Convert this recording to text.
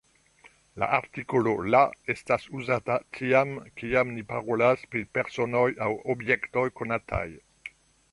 La artikolo « la » estas uzata tiam, kiam ni parolas pri personoj aŭ objektoj konataj.